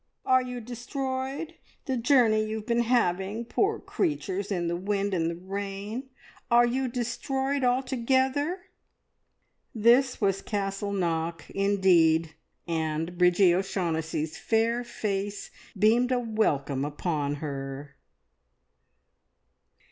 "Are you destroyed? The journey you've been having, poor creatures, in the wind and the rain! Are you destroyed altogether?" This was Castle Knock indeed, and Bridgie O'Shaughnessy's fair face beamed a welcome upon her.